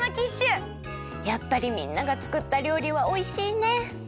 やっぱりみんながつくったりょうりはおいしいね！